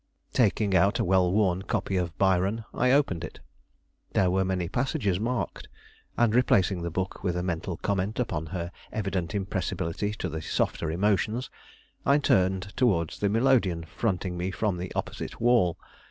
Taking out a well worn copy of Byron, I opened it. There were many passages marked, and replacing the book with a mental comment upon her evident impressibility to the softer emotions, I turned towards the melodeon fronting me from the opposite wall.